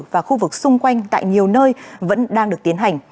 và khu vực xung quanh tại nhiều nơi vẫn đang được tiến hành